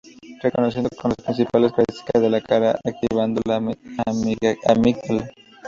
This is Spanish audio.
Reconociendo sólo las principales características de la cara, activando la amígdala.